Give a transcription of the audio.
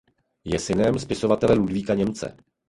Je synem spisovatele Ludvíka Němce.